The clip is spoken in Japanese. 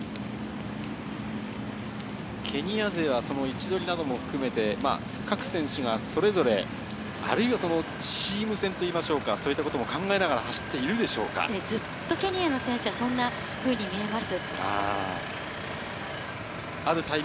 ケニア勢は位置取りなども含めて、各選手がそれぞれあるいはチーム戦といいましょうか、そういうところも考えて走っずっとケニアの選手はそんなふうに見えます。